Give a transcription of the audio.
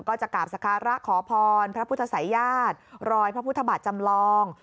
ก็จะกราบสการะขอพรพระพุทธศัยญาติรอยพระพุทธบาทจำลอง